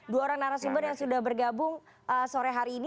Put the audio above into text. dua orang narasumber yang sudah bergabung sore hari ini